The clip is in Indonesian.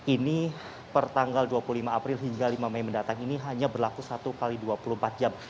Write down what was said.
ini per tanggal dua puluh lima april hingga lima mei mendatang ini hanya berlaku satu x dua puluh empat jam